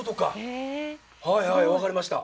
はいはいわかりました。